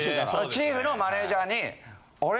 チーフのマネージャーにあれ？